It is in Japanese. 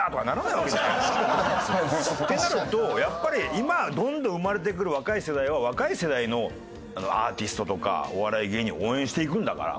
ってなるとやっぱり今どんどん生まれてくる若い世代は若い世代のアーティストとかお笑い芸人を応援していくんだから。